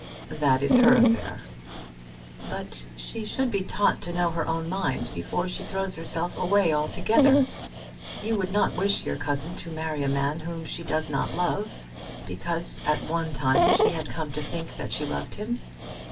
"That is her affair." "But she should be taught to know her own mind before she throws herself away altogether. You would not wish your cousin to marry a man whom she does not love because at one time she had come to think that she loved him.